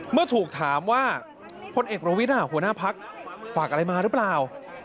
เมื่อถูกถามว่าพลเอกประวิทย์หัวหน้าพักฝากอะไรมาหรือเปล่า